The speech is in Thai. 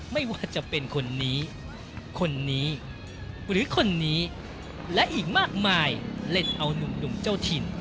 ไม่ว่าจะเป็นคนนี้คนนี้หรือคนนี้และอีกมากมายเล่นเอานุ่มเจ้าถิ่น